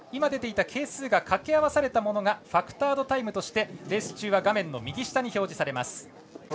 出てきた係数が掛け合わされたものがファクタードタイムとしてレース中は画面右下に表示されます。